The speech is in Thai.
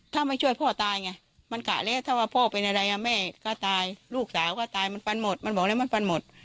ถ้าไม่ช่วยพ่อตายไงมันกะแล้วถ้าว่าพ่อเป็นอะไรแม่ก็ตายลูกสาวก็ตายมันฟันหมดมันบอกแล้วมันฟันหมด